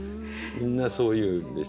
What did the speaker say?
みんなそういうのでしたね。